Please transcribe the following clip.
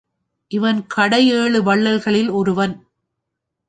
இவன் கடைஏழு வள்ளல்களில் ஒருவன்.